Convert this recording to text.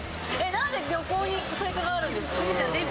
なんで漁港にスイカがあるんですか？